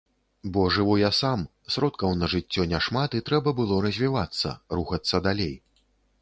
Бо жыву я сам, сродкаў на жыццё няшмат і трэба было развівацца, рухацца далей.